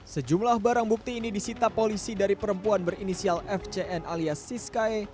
sejumlah barang bukti ini disita polisi dari perempuan berinisial fcn alias siskae